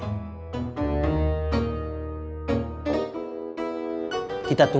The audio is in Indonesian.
saya sudah selesai mencari ilang